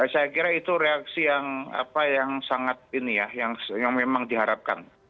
saya kira itu reaksi yang sangat ini ya yang memang diharapkan